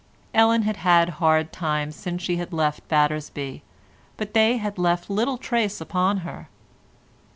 Ellen had had hard times since she had left Battersby, but they had left little trace upon her.